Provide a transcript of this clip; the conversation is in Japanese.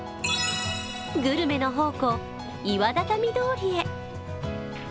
グルメの宝庫、岩畳通りへ。